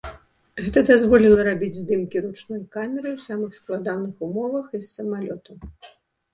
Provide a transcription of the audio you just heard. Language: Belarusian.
Гэта дазволіла рабіць здымкі ручной камерай у самых складаных умовах і з самалётаў.